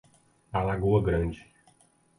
Alagoa Grande